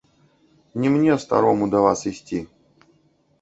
Не мне, старому, да вас ісці.